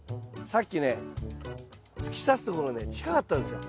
さっきね突き刺すところね近かったんですよ。